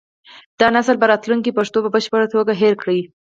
دا نسل به راتلونکي کې پښتو په بشپړه توګه هېره کړي.